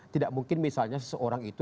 tidak mungkin misalnya seseorang itu